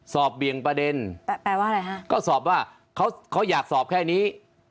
เบี่ยงประเด็นแปลว่าอะไรฮะก็สอบว่าเขาอยากสอบแค่นี้